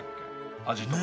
味とか。